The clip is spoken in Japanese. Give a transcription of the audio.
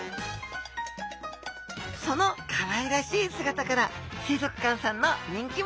そのかわいらしい姿から水族館さんの人気者です